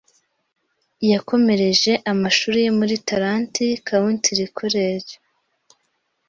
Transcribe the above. yakomereje amashuri ye muri Tarrant country College